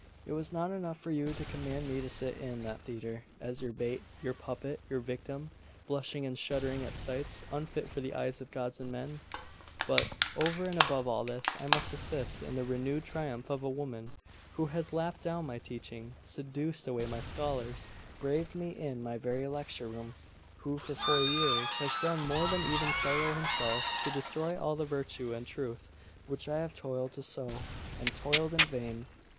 It was not enough for you to command me to sit in that theatre, as your bait, your puppet, your victim, blushing and shuddering at sights unfit for the eyes of gods and men: but, over and above all this, I must assist in the renewed triumph of a woman who has laughed down my teaching, seduced away my scholars, braved me in my very lecture room who for four years has done more than even Cyril himself to destroy all the virtue and truth which I have toiled to sow and toiled in vain!